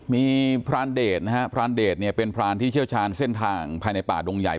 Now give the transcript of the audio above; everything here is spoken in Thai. มีพรานเดชนะฮะพรานเดชเนี่ยเป็นพรานที่เชี่ยวชาญเส้นทางภายในป่าดงใหญ่